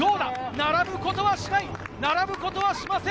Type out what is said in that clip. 並ぶことはしない、並ぶことはしません。